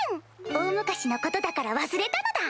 大昔のことだから忘れたのだ！